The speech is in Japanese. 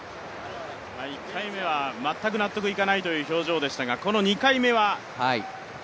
１回目は全く納得いかないという表情でしたが、２回目は。